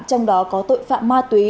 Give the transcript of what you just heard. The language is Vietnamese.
trong đó có tội phạm ma túy